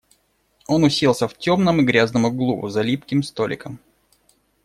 Он уселся в темном и грязном углу, за липким столиком.